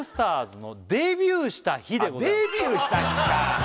正解はデビューした日か！